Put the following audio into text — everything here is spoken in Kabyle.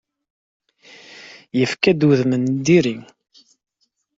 Yefka-d udem n diri.